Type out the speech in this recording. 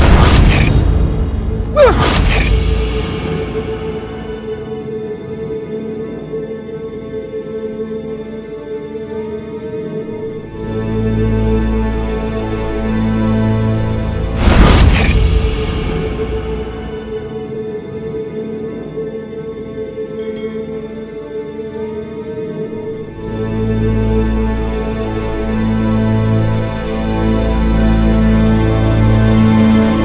suasana indah seperti ini